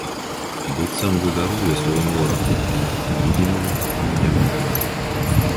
Быццам бы даруе сваім ворагам: відзімым і нявідзімым.